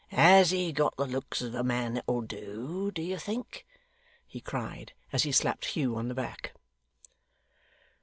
Has he got the looks of a man that'll do, do you think?' he cried, as he slapped Hugh on the back.